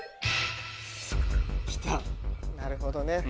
なるほどね！